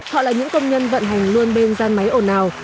họ là những công nhân vận hành luôn bên gian máy ổn nào